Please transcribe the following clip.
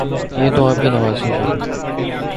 یہ تو آپ کی نوازش ہے